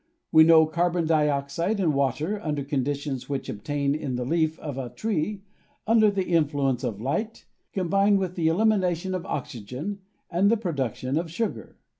We know carbon dioxide and water, under conditions which obtain in the leaf of a tree, under the influence of light combine with the elimina tion of oxygen and the production of sugar.